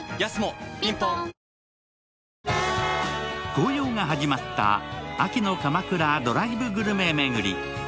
紅葉が始まった秋の鎌倉ドライブグルメ巡り。